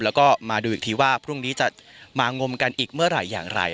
แล้วก็มาดูอีกทีว่าพรุ่งนี้จะมางมกันอีกเมื่อไหร่อย่างไร